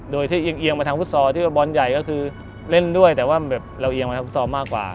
โดยที่เอียงมาทางฟุตซอลที่ว่าบอลใหญ่ก็คือเล่นด้วยแต่ว่าแบบเราเอียงมาทางฟุตซอลมากกว่า